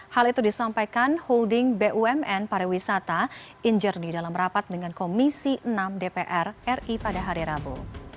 hal itu disampaikan holding bumn pariwisata injernie dalam rapat dengan komisi enam dpr ri pada hari rabu